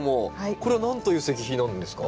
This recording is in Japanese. これは何という石碑なんですか？